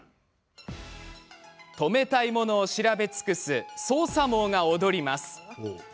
止めたいものを調べ尽くす捜査網が、踊ります。